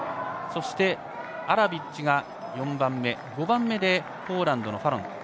そして、アラビッチが４番目５番目でポーランドのファロン。